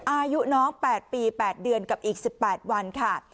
อายุน้อง๘ปี๘เดือนกับอีก๑๘วันค่ะ